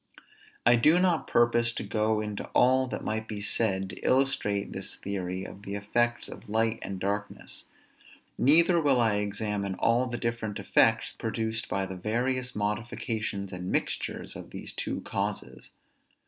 I do not purpose to go into all that might be said to illustrate this theory of the effects of light and darkness; neither will I examine all the different effects produced by the various modifications and mixtures of these two causes.